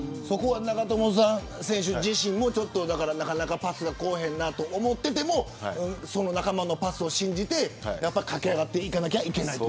長友選手自身もなかなかパスが来ないと思っていても仲間のパスを信じて駆け上がっていかなきゃいけない。